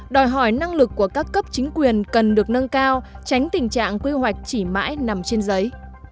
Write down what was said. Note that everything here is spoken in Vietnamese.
đòi hỏi năng lực của các cấp chính quyền cần được nâng cao tránh tình trạng quy hoạch chỉ mãi nằm trên giấy